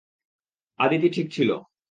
আদিতি ঠিক ছিল।